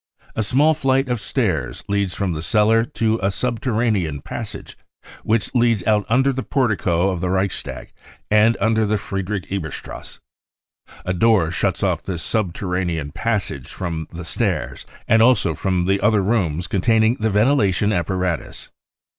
A small flight of stairs leads from the cellar to a subterranean passage, which leads out under the portico of the Reichstag and under; the Friedrich Eberts trasse. A door shuts off this subterranean passage from the stairs and also from the other rooms containing the ventilation apparatus.